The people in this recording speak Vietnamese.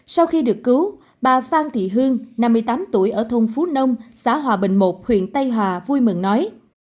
sau khi được cứu bà phan thị hương năm mươi tám tuổi ở thôn phú nông xã hòa bình một huyện tây hòa vui mừng nói